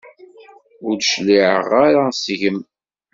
Ur d-cliɛeɣ ara seg-m.